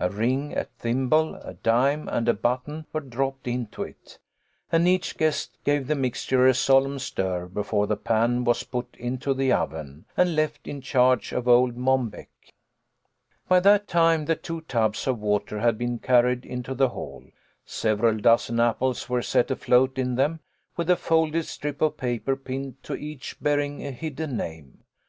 A ring, a thimble, a dime, and a button were dropped into it, and each guest gave the mixture a solemn stir before the pan was put into the oven, and left in charge of old Mom Beck. By that time the two tubs of water had been carried into the hall. Several dozen apples were set afloat in them, with a folded strip of paper pinned to each bearing a hidden name.